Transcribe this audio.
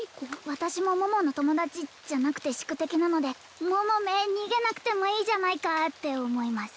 私も桃の友達じゃなくて宿敵なので桃め逃げなくてもいいじゃないかって思います